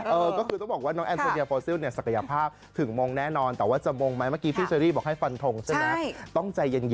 เออก็คือต้องบอกว่าน้องอันโทเนียโภซื้อเนี่ยศักยภาพถึงมงแน่นอน